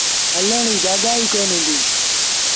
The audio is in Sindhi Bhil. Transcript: هلڻ ريٚ جآڳآ ئيٚ ڪونا هُݩديٚ۔